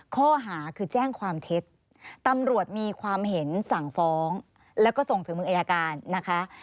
ข้อหาคือแจ้งความเท็จตำรวจมีความเห็นสั่งฟ้องแล้วก็ส่งถึงเมืองอายการนะคะ